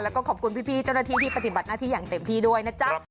แล้วก็ขอบคุณพี่เจ้าหน้าที่ที่ปฏิบัติหน้าที่อย่างเต็มที่ด้วยนะจ๊ะ